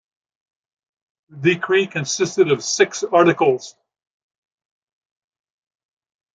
The decree consisted of six articles.